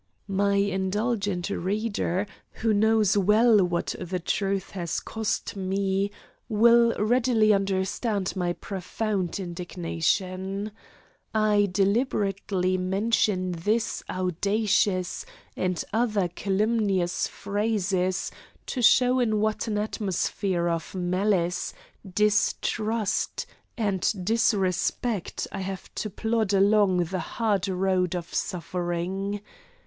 My indulgent reader, who knows well what the truth has cost me, will readily understand my profound indignation. I deliberately mention this audacious and other calumnious phrases to show in what an atmosphere of malice, distrust, and disrespect I have to plod along the hard road of suffering.